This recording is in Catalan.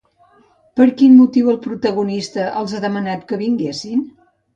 Per quin motiu el protagonista els ha demanat que vinguessin?